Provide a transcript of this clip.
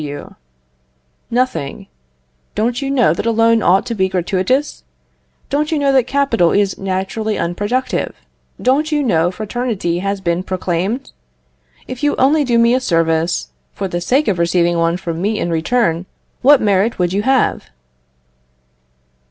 W. Nothing. Don't you know that a loan ought to be gratuitous? Don't you know that capital is naturally unproductive? Don't you know fraternity has been proclaimed. If you only do me a service for the sake of receiving one from me in return, what merit would you have?